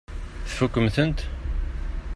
Tfukkem-tent?